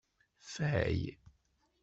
Ffay.